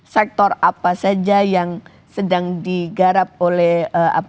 sektor apa saja yang sedang digarap oleh apa